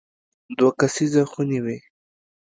دوه کسیزه خونې وې.